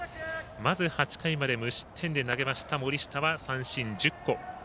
まず８回まで無失点で投げました森下は三振１０個。